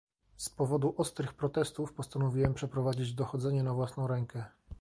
Z powodu ostrych protestów postanowiłem przeprowadzić dochodzenie na własną rękę